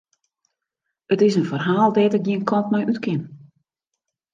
It is in ferhaal dêr't ik gjin kant mei út kin.